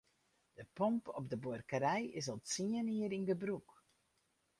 De pomp op de buorkerij is al tsien jier yn gebrûk.